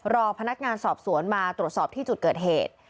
รอพนักงานสอบสวนมาตรวจสอบที่จุดเกิดเหตุ